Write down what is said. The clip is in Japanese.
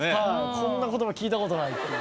こんな言葉聞いたことないっていう。